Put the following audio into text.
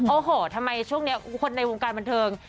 โอ้โหทำไมช่วงนี้คนในวงการบันเทิง